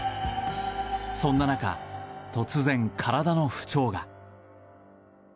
そんな中、突然体の不調が。